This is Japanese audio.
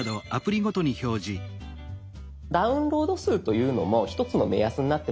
「ダウンロード数」というのも一つの目安になってまいります。